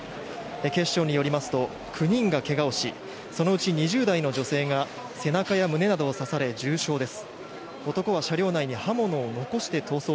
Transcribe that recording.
警視庁にによりますと９人がけがをしそのうち２０代の女性が背中や胸などを刺され重傷です。